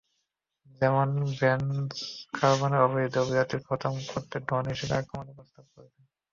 যেমন, Ben Carson অবৈধ অভিবাসীদের খতম করতে ড্রোন দিয়ে আক্রমণের প্রস্তাব করেছেন।